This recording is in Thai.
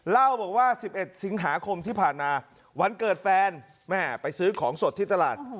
เล่าบอกว่า๑๑สิงหาคมที่ผ่านมาวันเกิดแฟนแม่ไปซื้อของสดที่ตลาด